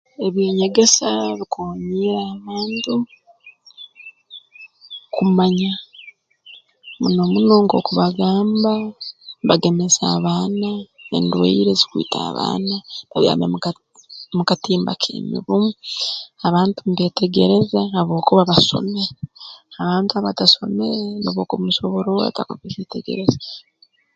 Eby'enyegesa bikoonyiire abantu kumanya muno muno nk'oku bagamba bagemese abaana endwaire ezikwita abaana babyame mu ka mu katimba k'emibu abantu mbeetegereza habwokuba basomere abantu abatasomere noobu okubimusoborra ota takubyetegereza